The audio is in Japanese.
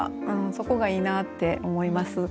そこがいいなって思います。